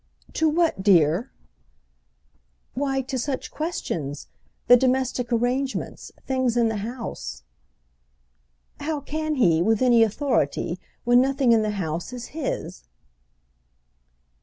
"To what, dear?" "Why, to such questions—the domestic arrangements, things in the house." "How can he, with any authority, when nothing in the house is his?"